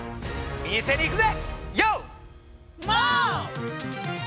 店に行くぜ！